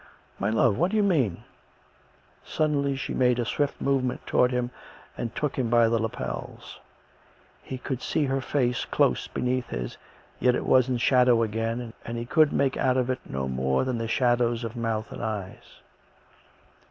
" My love, what do you mean ?" Suddenly she made a swift movement towards him and took him by the lapels. He could see her face close be 66 COME RACK! COME ROPE! neath his, yet it was in shadow again, and he could make out of it no more than the shadows of mouth and eyes.